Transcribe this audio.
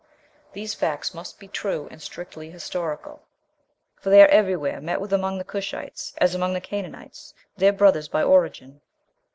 These facts must be true and strictly historical, for they are everywhere met with among the Cushites, as among the Canaanites, their brothers by origin."